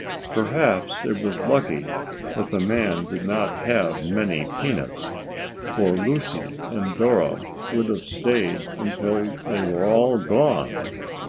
Perhaps it was lucky that the man did not have many peanuts, for Lucy and Dora would have stayed until they were all gone.